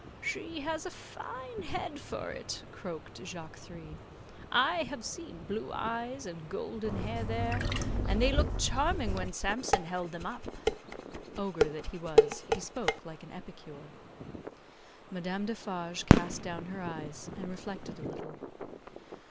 "She has a fine head for it," croaked Jacques Three. "I have seen blue eyes and golden hair there, and they looked charming when Samson held them up." Ogre that he was, he spoke like an epicure. Madame Defarge cast down her eyes, and reflected a little.